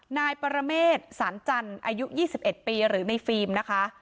นายปรเมษสารจันทร์อายุ๒๑ปีหรือในฟิล์มนะคะ